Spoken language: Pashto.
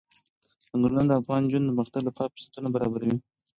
ځنګلونه د افغان نجونو د پرمختګ لپاره فرصتونه برابروي.